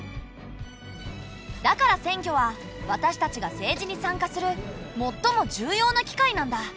だから選挙は私たちが政治に参加するもっとも重要な機会なんだ。